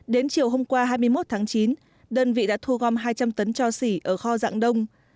đến chiều hôm qua hai mươi một tháng chín đơn vị đã thu gom hai trăm linh tấn cho xỉ ở kho rạng đông